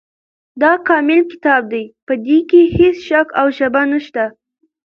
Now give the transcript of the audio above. دا کامل کتاب دی، په دي کي هيڅ شک او شبهه نشته